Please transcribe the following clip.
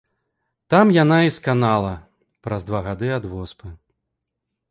Там яна і сканала праз два гады ад воспы.